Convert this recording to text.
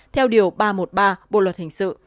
theo điều ba trăm một mươi ba bộ luật hình sự